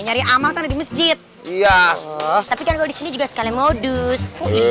nyari amal di masjid iya tapi kalau disini juga sekali modus